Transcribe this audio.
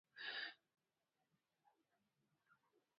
په جنوب کې یې پر اقتصادي انګېزو منفي اثرات پرېښودل.